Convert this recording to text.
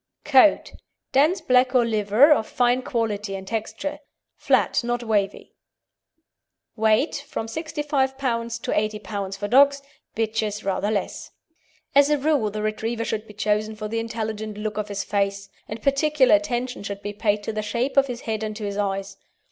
COAT Dense black or liver, of fine quality and texture. Flat, not wavy. WEIGHT From 65 lb. to 80 lb. for dogs; bitches rather less. As a rule the Retriever should be chosen for the intelligent look of his face, and particular attention should be paid to the shape of his head and to his eyes.